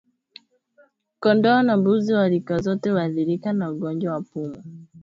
Kondoo na mbuzi wa rika zote huathirika na ugonjwa wa pumu